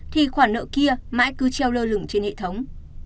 thì khoản nợ kia mãi cứ treo lơ lửng trên hệ thống